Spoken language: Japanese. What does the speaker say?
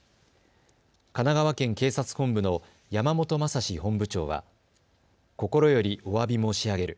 神奈川県警察本部の山本仁本部長は心よりおわび申し上げる。